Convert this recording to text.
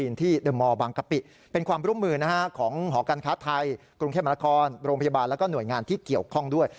และก็หน่วยงานที่เกี่ยวข้องด้วย